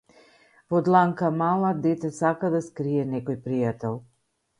Во дланка мала дете сака да скрие некој пријател.